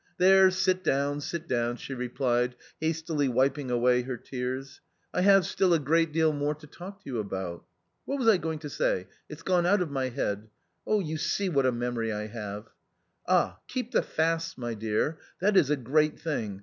" There, sit down, sit down !" she replied, hastily wiping away her tears. " I have still a great deal more to talk to you about. What was I going to say? It's gone out of my head. You see what a memory I have. Ah ! keep the fasts, my dear. That is a great thing